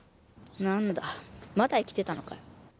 なんだまだ生きてたのかよ。